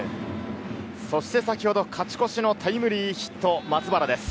そして先ほど勝ち越しのタイムリーヒット、松原です。